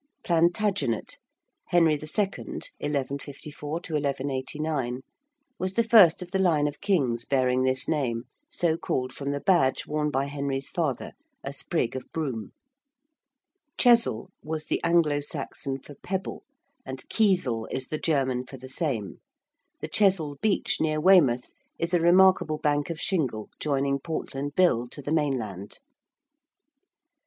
~Plantagenet~: Henry II., 1154 1189, was the first of the line of kings bearing this name, so called from the badge worn by Henry's father, a sprig of broom. ~Chesel~ was the Anglo Saxon for pebble, and Kiesel is the German for the same. The ~Chesil Beach~, near Weymouth, is a remarkable bank of shingle joining Portland Bill to the mainland.